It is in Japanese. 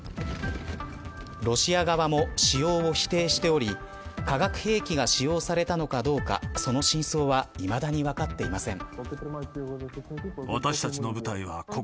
ロシア側も使用を否定しており化学兵器が使用されたのかどうかその真相はいまだに分かっていません。